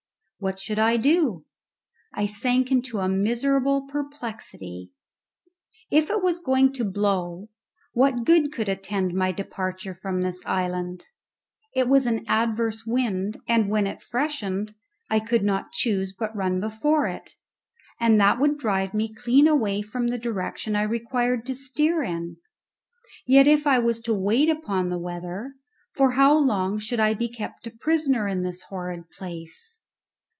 What should I do? I sank into a miserable perplexity. If it was going to blow what good could attend my departure from this island? It was an adverse wind, and when it freshened I could not choose but run before it, and that would drive me clean away from the direction I required to steer in. Yet if I was to wait upon the weather, for how long should I be kept a prisoner in this horrid place?